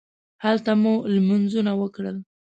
هلته مو لمونځونه وکړل.